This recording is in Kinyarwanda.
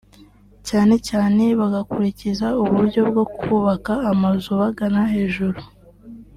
cyane cyane bagakurikiza uburyo bwo kubaka amazu bagana hejuru